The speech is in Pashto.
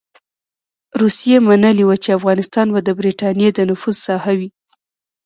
روسيې منلې وه چې افغانستان به د برټانیې د نفوذ ساحه وي.